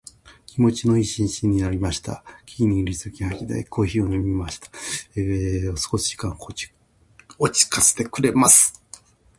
今日は朝から少し寒かったけれど、太陽が出てきて気持ちのいい一日になりました。昼休みには公園を散歩して、木々の色づきを眺めながらコーヒーを飲みました。自然の中で過ごす時間は心を落ち着かせてくれます。